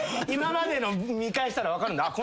今までの見返したら分かるんだ。